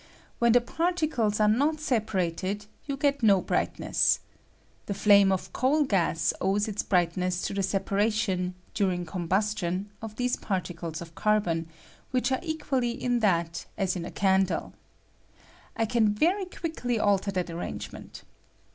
When tie particles are not separated you get no brightness. The flame of coal gaa owes its brightness to the separation, during combustion, of these parti cles of carhon, which are eqnaUy in that as in a candle. I can very quiekly alter that arrange ment.